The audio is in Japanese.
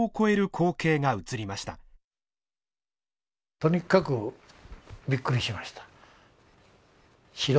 とにかくびっくりしました。